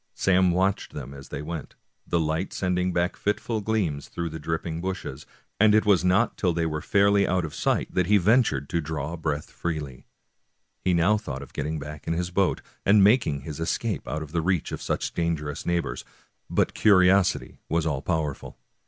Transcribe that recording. Sam watched them as they went, the light sending back fitful gleams through the dripping bushes, and it was not till they were fairly out 191 American Mystery Stories of sight that he ventured to draw breath freely. He now thought of getting back to his boat, and making his escape out of the reach of such dangerous neighbors ; but curiosity was all powerful.